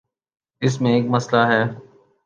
اس میں ایک مسئلہ ہے۔